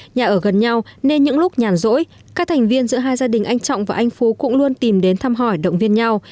nhà ở gần nhau nên những lúc nhàn rỗi các thành viên giữa hai gia đình anh trọng và anh phú cũng luôn tìm đến thăm hỏi động viên nhau